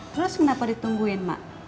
terus kenapa ditungguin mak